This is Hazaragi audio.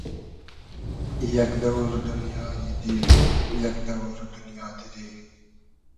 یئگ دئوور دونیای دیل و یئگ دئوور دونیا دیری